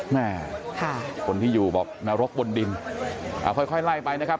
แม่ค่ะคนที่อยู่บอกนรกบนดินค่อยไล่ไปนะครับ